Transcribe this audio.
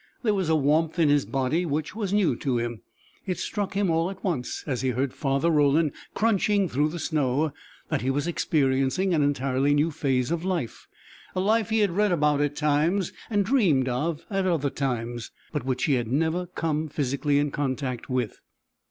There was a warmth in his body which was new to him. It struck him all at once, as he heard Father Roland crunching through the snow, that he was experiencing an entirely new phase of life a life he had read about at times and dreamed of at other times, but which he had never come physically in contact with.